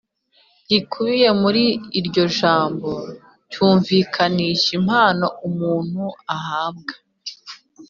gikubiye muri iryo jambo cyumvikanisha impano umuntu ahabwa